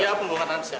ya pembukaan saja